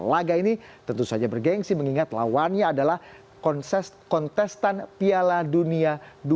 laga ini tentu saja bergensi mengingat lawannya adalah kontestan piala dunia dua ribu dua puluh